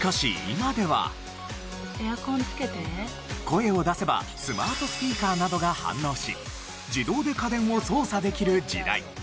声を出せばスマートスピーカーなどが反応し自動で家電を操作できる時代。